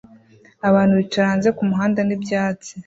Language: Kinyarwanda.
Abantu bicara hanze kumuhanda n'ibyatsi